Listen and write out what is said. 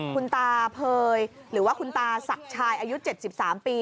คุณตาเผยหรือว่าคุณตาศักดิ์ชายอายุ๗๓ปี